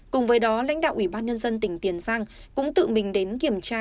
cùng với đó lãnh đạo ủy ban nhân dân tỉnh tiền giang cũng tự mình đến kiểm tra